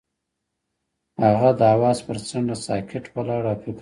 هغه د اواز پر څنډه ساکت ولاړ او فکر وکړ.